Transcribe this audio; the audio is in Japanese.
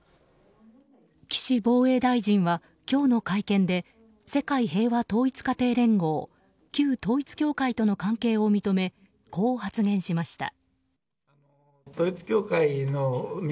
岸防衛大臣は今日の会見で世界平和統一家庭連合旧統一教会との関係を認めこう発言しました。